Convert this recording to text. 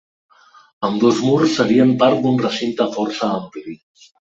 Ambdós murs serien part d'un recinte força ampli.